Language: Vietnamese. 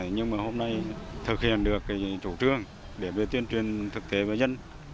nhưng mà hôm nay thực hiện được chủ trương để tuyên truyền thực tế với dân